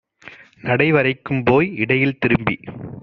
நடைவரைக் கும்போய் இடையில் திரும்பி